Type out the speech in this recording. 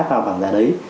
áp vào bảng giá đấy